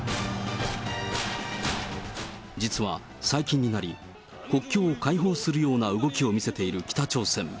実は最近になり、国境を開放するような動きを見せている北朝鮮。